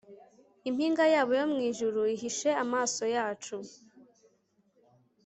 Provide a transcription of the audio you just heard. impinga yabo yo mwijuru ihishe amaso yacu